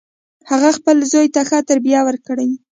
هغې خپل زوی ته ښه تربیه ورکړي